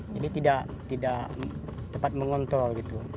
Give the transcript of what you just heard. jadi tidak dapat mengontrol